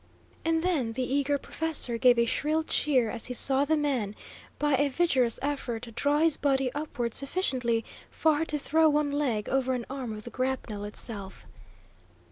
And then the eager professor gave a shrill cheer as he saw the man, by a vigorous effort, draw his body upward sufficiently far to throw one leg over an arm of the grapnel itself.